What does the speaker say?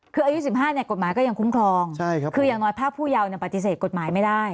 คืออายุ๑๕กฎหมายก็ยังคุ้มครองคืออย่างน้อยภาคผู้เยาว์ปฏิเสธกฎหมายไม่ได้